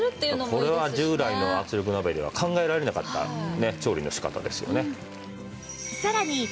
これは従来の圧力鍋では考えられなかった調理の仕方ですよね。